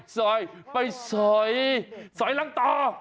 สอยเป็นลังต่อ